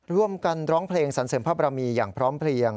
ร่วมกันร้องเพลงสันเสริมพระบรมีอย่างพร้อมเพลง